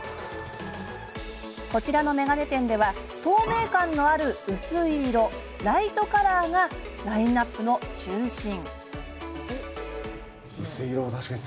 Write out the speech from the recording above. こちらの眼鏡店では透明感のある薄い色ライトカラーがラインナップの中心。